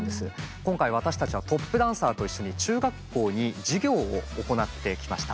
今回私たちはトップダンサーと一緒に中学校に授業を行ってきました。